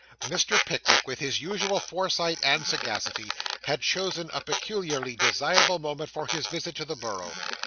Mr. Pickwick, with his usual foresight and sagacity, had chosen a peculiarly desirable moment for his visit to the borough.